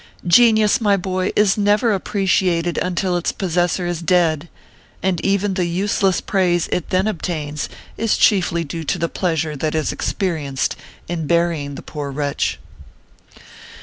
Genius, my boy, is never appreciated until its possessor is dead ; and even the useless praise it then obtains is chiefly due to the pleasure that is experienced in burying the poor wretch.